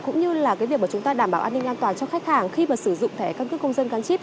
cũng như là cái việc mà chúng ta đảm bảo an ninh an toàn cho khách hàng khi mà sử dụng thẻ căn cước công dân gắn chip